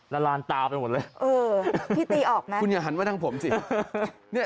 ลานตาไปหมดเลยเออพี่ตีออกนะคุณอย่าหันมาทางผมสิ